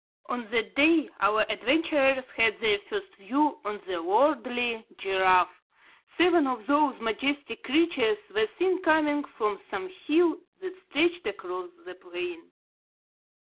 On that day, our adventurers had their first view of the lordly giraffe. Seven of those majestic creatures were seen coming from some hill that stretched across the plain.